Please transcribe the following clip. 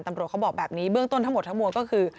ตำรวจเขาบอกแบบนี้เบื้องต้นทั้งหมดทั้งมวลก็คือ